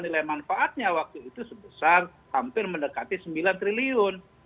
nilai manfaatnya waktu itu sebesar hampir mendekati sembilan triliun